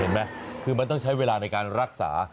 เห็นไหมคือมันต้องใช้เวลาในการรักษา